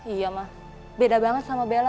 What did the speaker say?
iya mah beda banget sama bella